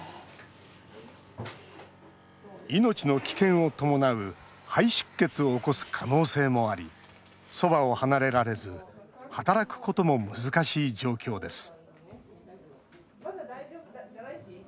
命の危険を伴う肺出血を起こす可能性もあり、そばを離れられず働くことも難しい状況です